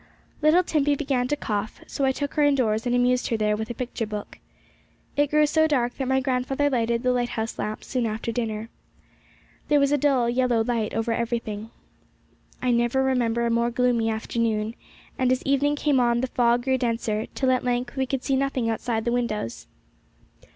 Little Timpey began to cough, so I took her indoors, and amused her there with a picture book. It grew so dark that my grandfather lighted the lighthouse lamps soon after dinner. There was a dull, yellow light over everything. I never remember a more gloomy afternoon; and as evening came on, the fog grew denser, till at length we could see nothing outside the windows.